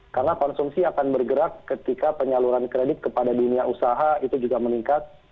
karena konsumsi akan bergerak ketika penyaluran kredit kepada dunia usaha itu juga meningkat